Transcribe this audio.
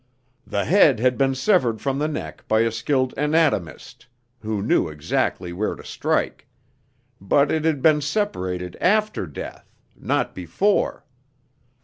The head had been severed from the neck by a skilled anatomist, who knew exactly where to strike; but it had been separated after death, not before.